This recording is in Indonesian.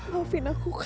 maafin aku kak